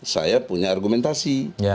saya punya argumentasi